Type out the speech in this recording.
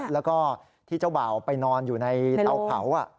แล้วก็ที่เจ้าบ่าวไปนอนอยู่ในเตาเผา